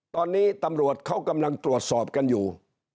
ตอนนี้ตำรวจเขากำลังตรวจสอบกันอยู่